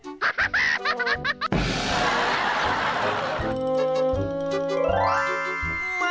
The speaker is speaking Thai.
ฮ่าฮ่าฮ่าฮ่า